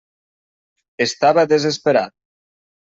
Estava desesperat.